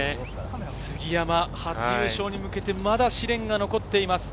杉山、初優勝に向けてまだ試練が残っています。